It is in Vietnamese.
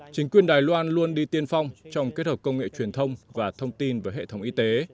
chính quyền đài loan luôn đi tiên phong trong kết hợp công nghệ truyền thông và thông tin với hệ thống y tế